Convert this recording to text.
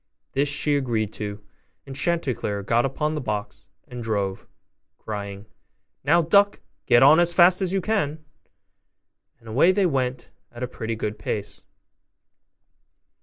This she agreed to do; and Chanticleer got upon the box, and drove, crying, 'Now, duck, get on as fast as you can.' And away they went at a pretty good pace.